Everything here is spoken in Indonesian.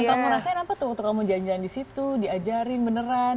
aku rasain apa tuh waktu kamu jalan jalan di situ diajarin beneran